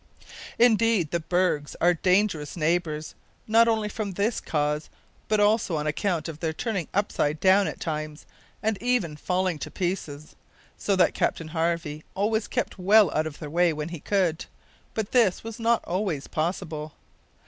Indeed the bergs are dangerous neighbours, not only from this cause, but also on account of their turning upside down at times, and even falling to pieces, so that Captain Harvey always kept well out of their way when he could; but this was not always possible.